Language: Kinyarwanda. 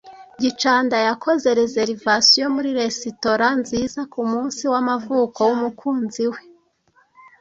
gicanda yakoze reservation muri resitora nziza kumunsi wamavuko wumukunzi we.